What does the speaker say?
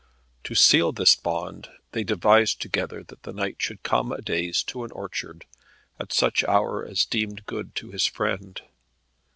To seal this bond they devised together that the knight should come a days to an orchard, at such hour as seemed good to his friend.